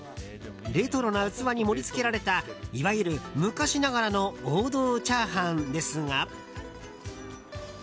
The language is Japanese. レトロな器に盛り付けられたいわゆる昔ながらの王道チャーハンですが。